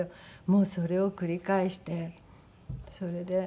もうそれを繰り返してそれで。